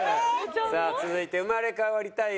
さあ続いて生まれ変わりたい女